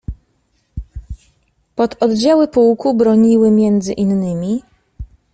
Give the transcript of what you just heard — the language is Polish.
Pododdziały pułku broniły między innymi